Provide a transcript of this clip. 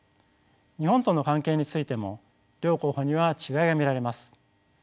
日本との関係についても両候補には違いが見られます。